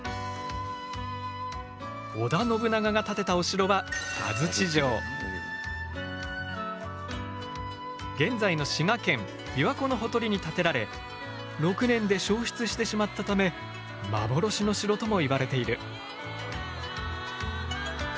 織田信長が建てたお城は現在の滋賀県琵琶湖のほとりに建てられ６年で焼失してしまったため幻の城ともいわれている。